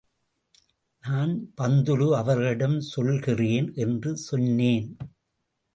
நான் பந்துலு அவர்களிடம் சொல்கிறேன் என்று சொன்னேன்.